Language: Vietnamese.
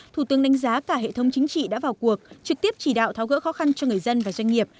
thủ tướng đánh giá cả hệ thống chính trị đã vào cuộc trực tiếp chỉ đạo tháo gỡ khó khăn cho người dân và doanh nghiệp